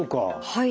はい。